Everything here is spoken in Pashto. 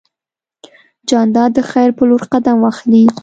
جانداد د خیر په لور قدم اخلي.